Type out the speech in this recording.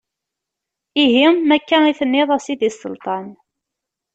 Ihi ma akka i tenniḍ a sidi Selṭan.